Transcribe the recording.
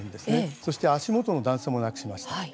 そして足元の段差もなくしました。